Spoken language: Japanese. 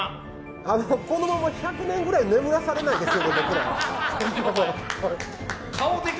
このまま１００年くらい眠らされないですか？